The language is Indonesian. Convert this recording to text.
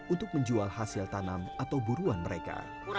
untuk menjual hasil tanam atau buruan mereka